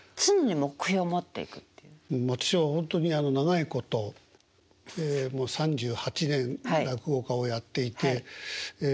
私はほんとに長いこともう３８年落語家をやっていてええ